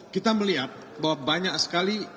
kita melihat bahwa banyak sekali